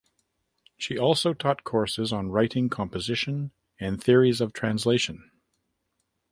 She also taught courses on writing composition and theories of translation.